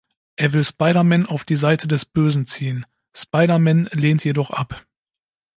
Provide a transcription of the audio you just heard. Er will Spider-Man auf die Seite des Bösen ziehen, Spider-Man lehnt jedoch ab.